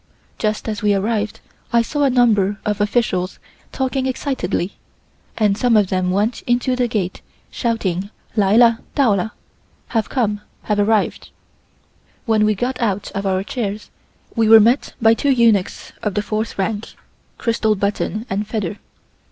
Just as we arrived I saw a number of officials talking excitedly, and some of them went into the gate shouting "Li la, doula" (have come, have arrived). When we got out of our chairs, we were met by two eunuchs of the fourth rank (chrystal button and feather).